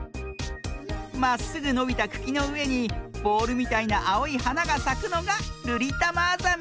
まっすぐのびたくきのうえにボールみたいなあおいはながさくのがルリタマアザミ。